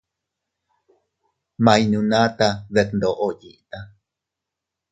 Ma iynunata detndoʼo yiʼita.